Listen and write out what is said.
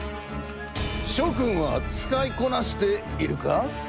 しょ君は使いこなしているか？